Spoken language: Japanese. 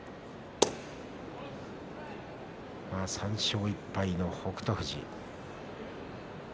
３勝１敗の北勝富士。